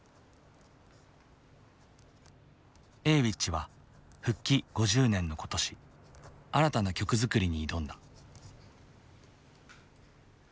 Ａｗｉｃｈは復帰５０年の今年新たな曲作りに挑んだ。